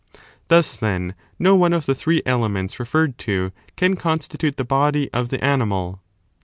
Thus, then, no one of the three elements referred to can constitute the body of the animal.